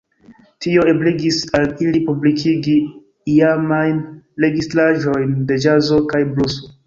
Tio ebligis al ili publikigi iamajn registraĵojn de ĵazo kaj bluso.